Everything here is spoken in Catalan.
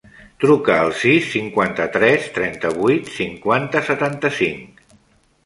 Truca al sis, cinquanta-tres, trenta-vuit, cinquanta, setanta-cinc.